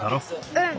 うん。